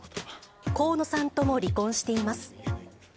河野さんとも離婚しています。